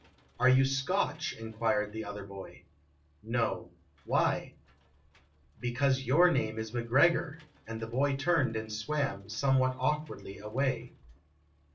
Are you Scotch ?" inquired the other boy. " No. Why ?"" Because your name is McGregor," and the boy turned and swam, somewhat awkwardly, away.